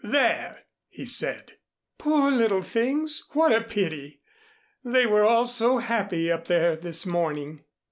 "There!" he said. "Poor little things, what a pity! They were all so happy up there this morning."